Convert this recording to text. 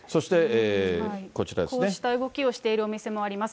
こうした動きをしているお店もあります。